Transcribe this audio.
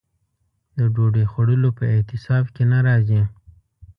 د ډوډۍ خوړلو په اعتصاب کې نه راځي.